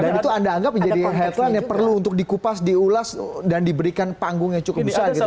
karena itu anda anggap jadi headline yang perlu untuk dikupas diulas dan diberikan panggungnya cukup besar gitu mas teguh